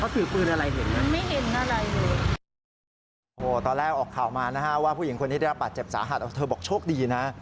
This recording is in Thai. ตอนนั้นเขาถือปืนอะไรเราเห็น